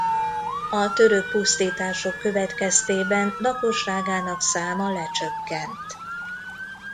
A török pusztítások következtében lakosságának száma lecsökkent.